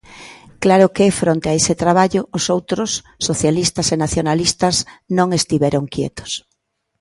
Claro que, fronte a ese traballo, os outros, socialistas e nacionalistas, non estiveron quietos.